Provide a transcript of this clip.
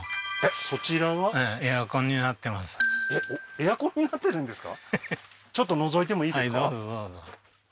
エアコンになってるんですか？